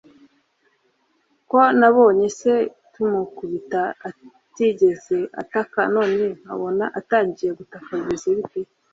ko nabonye se tumukubita atigeze ataka none nkabona atangiye gutaka bimeze bite!